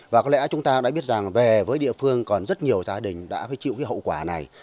và có lẽ chúng ta cũng đã biết rằng về với địa phương còn rất nhiều gia đình đã phải chịu cái hậu quả này